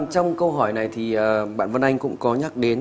trong câu hỏi này thì bạn văn anh cũng có nhắc đến